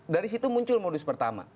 dari situ muncul modus pertama